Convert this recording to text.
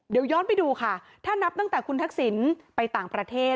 เดี๋ยวย้อนไปดูค่ะถ้านับตั้งแต่คุณทักษิณไปต่างประเทศ